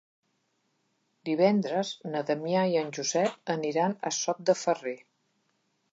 Divendres na Damià i en Josep aniran a Sot de Ferrer.